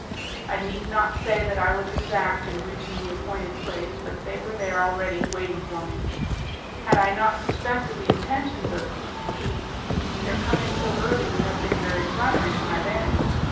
I need not say that I was exact in reaching the appointed place, but they were there already, waiting for me. Had I not suspected the intentions of P C , their coming so early would have been very flattering to my vanity.